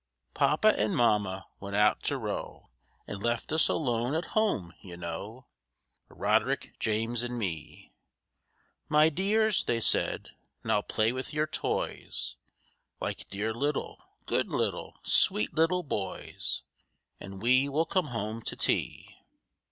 PAPA and Mamma went out to row, And left us alone at home, you know,— Roderick, James and me. "My dears," they said, "now play with your toys Like dear little, good little, sweet little boys, And we will come home to tea."